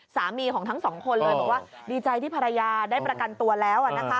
สามีของทั้งสองคนเลยบอกว่าดีใจที่ภรรยาได้ประกันตัวแล้ว